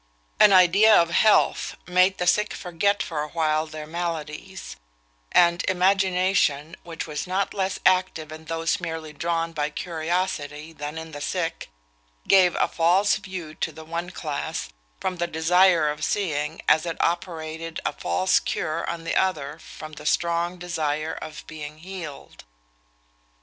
An idea of health made the sick forget for a while their maladies; and imagination, which was not less active in those merely drawn by curiosity than in the sick, gave a false view to the one class, from the desire of seeing, as it operated a false cure on the other from the strong desire of being healed.